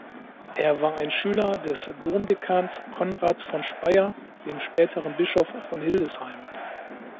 Er war ein Schüler des Domdekans Konrad von Speyer, dem späteren Bischof von Hildesheim.